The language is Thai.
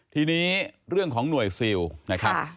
ทีนี้เรื่องของหน่วยซิลนะครับ